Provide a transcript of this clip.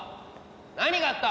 何があった？